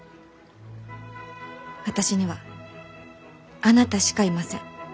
私にはあなたしかいません。